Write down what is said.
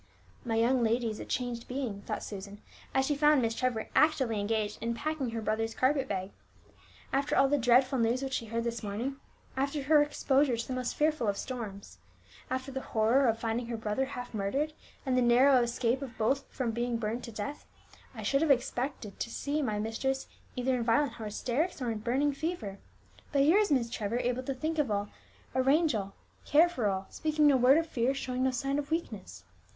"My young lady is a changed being," thought Susan, as she found Miss Trevor actively engaged in packing her brother's carpet bag. "After all the dreadful news which she heard this morning, after her exposure to the most fearful of storms, after the horror of finding her brother half murdered, and the narrow escape of both from being burned to death, I should have expected to have seen my mistress either in violent hysterics, or in a burning fever! But here is Miss Trevor able to think of all, arrange all, care for all, speaking no word of fear, showing no sign of weakness!